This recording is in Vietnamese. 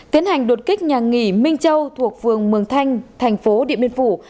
tiến hành đột kích nhà nghỉ minh châu thuộc phường mường thanh thành phố điện biên phủ